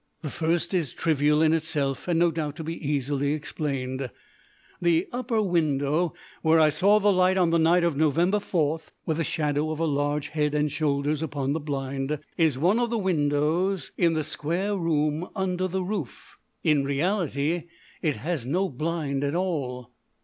The first is trivial in itself, and no doubt to be easily explained. The upper window where I saw the light on the night of November 4, with the shadow of a large head and shoulders upon the blind, is one of the windows in the square room under the roof. In reality it has no blind at all!